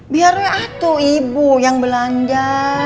biar ya atuh ibu yang belanja